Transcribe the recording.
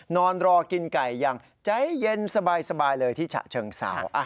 นอนรอกินไก่อย่างใจเย็นสบายเลยที่ฉะเชิงเศร้า